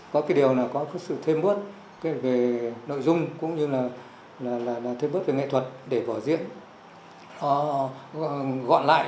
có sự thêm bớt về nội dung cũng như thêm bớt về nghệ thuật để vở diễn gọn lại